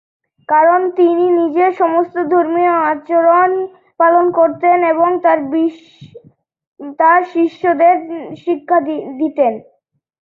কারন তিনি নিজে সমস্ত ধর্মীয় আচরণ পালন করতেন এবং তার শিষ্যদের শিক্ষা দিতেন।